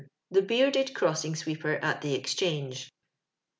The Bearded Ceossino Sweepeb at the Exchange.